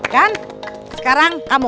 dan sekarang kamu